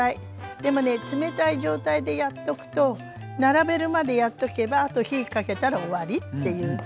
でもね冷たい状態でやっとくと並べるまでやっとけばあと火かけたら終わりっていう。